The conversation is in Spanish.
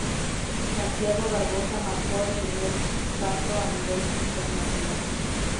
Santiago Barboza marcó el primer tanto a nivel internacional.